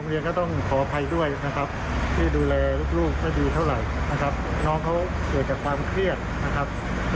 ผมเองก็ต้องขออภัยด้วยนะครับที่ดูแลลูกไม่ดีเท่าไหร่นะครับ